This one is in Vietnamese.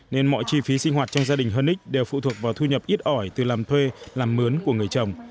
nên mọi chi phí sinh hoạt trong gia đình hennic đều phụ thuộc vào thu nhập ít ỏi từ làm thuê làm mướn của người chồng